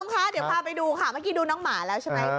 ค่ะเดี๋ยวพาไปดูค่ะเมื่อกี้ดูน้องหมาแล้วใช่ไหม